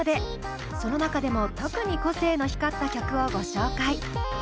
その中でも特に個性の光った曲をご紹介。